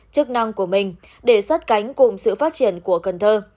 chức năng của mình để sát cánh cùng sự phát triển của cần thơ